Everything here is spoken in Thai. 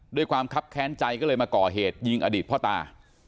ความคับแค้นใจก็เลยมาก่อเหตุยิงอดีตพ่อตา